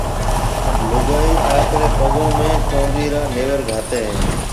لوگائيَ آپريَ پگون ۾ چوندِي را نيور گھاتيَ ھيَََ